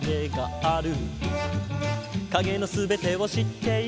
「影の全てを知っている」